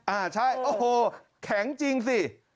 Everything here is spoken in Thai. อ่าใช่โอ้โหแข็งจริงสิ